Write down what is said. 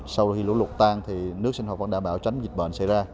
sau khi lũ lụt tan thì nước sinh hoạt vẫn đảm bảo tránh dịch bệnh xảy ra